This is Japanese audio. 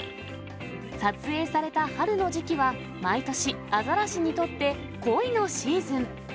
撮影された春の時期は毎年、アザラシにとって恋のシーズン。